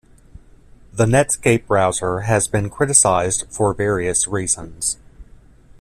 The Netscape Browser has been criticized for various reasons.